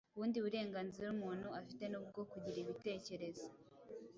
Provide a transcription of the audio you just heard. Ubundi burenganzira umuntu afite ni ubwo kugira ibitekerezo